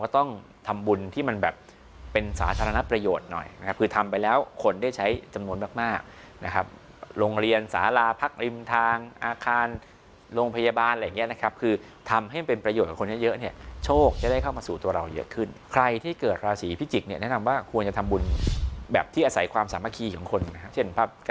ต้องทำบุญที่มันแบบเป็นสาธารณประโยชน์หน่อยนะครับคือทำไปแล้วคนได้ใช้จำนวนมากมากนะครับโรงเรียนสาราพักริมทางอาคารโรงพยาบาลอะไรอย่างเงี้ยนะครับคือทำให้มันเป็นประโยชน์กับคนเยอะเยอะเนี่ยโชคจะได้เข้ามาสู่ตัวเราเยอะขึ้นใครที่เกิดราศีพิจิกเนี่ยแนะนำว่าควรจะทำบุญแบบที่อาศัยความสามัคคีของคนนะครับ